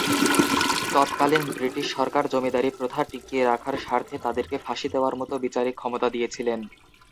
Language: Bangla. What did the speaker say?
তৎকালীন ব্রিটিশ সরকার জমিদারি প্রথা টিকিয়ে রাখার স্বার্থে তাদেরকে ফাঁসি দেয়ার মতো বিচারিক ক্ষমতা দিয়েছিলেন।